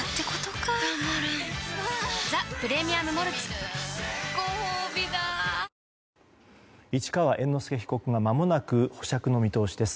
しみるごほうびだ市川猿之助被告がまもなく保釈の見通しです。